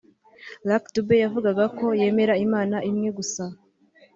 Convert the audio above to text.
Lucky Dube yavugaga ko yemera Imana imwe gusa